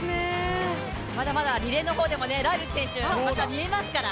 まだまだリレーの方でもライルズ選手、見られますから。